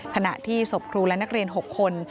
ขณะที่ศพครูและนักเรียน๖คน